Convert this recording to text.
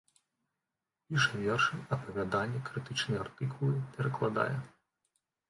Піша вершы, апавяданні, крытычныя артыкулы, перакладае.